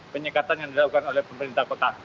penyekatan yang dilakukan oleh pemerintah kota